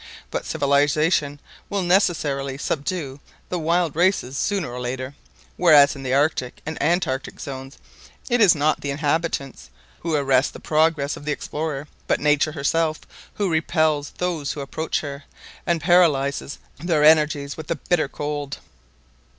But civilisation will necessarily subdue the wild races sooner or later; whereas in the Arctic and Antarctic Zones it is not the inhabitants who arrest the progress of the explorer, but Nature herself who repels those who approach her, and paralyses their energies with the bitter cold